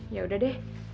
ya udah deh